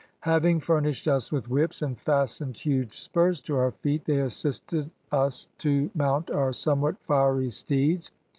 Having furnished us with whips, and fastened huge spurs to our feet, they assisted us to mount our somewhat fiery steeds.